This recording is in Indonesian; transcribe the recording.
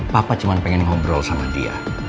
papa cuma pengen ngobrol sama dia